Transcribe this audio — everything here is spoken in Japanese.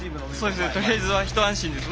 とりあえずは一安心です。